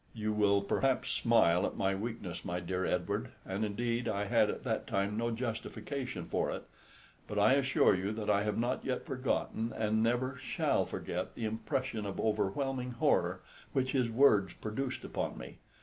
You will perhaps smile at my weakness, my dear Edward, and indeed I had at that time no justification for it; but I assure you that I have not yet forgotten, and never shall forget, the impression of overwhelming horror which his words produced upon me.